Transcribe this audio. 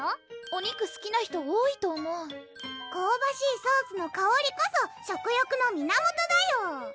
お肉すきな人多いと思うこうばしいソースのかおりこそ食欲の源だよ！